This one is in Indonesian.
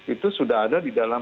itu sudah ada di dalam